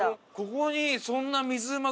ここにそんな水うま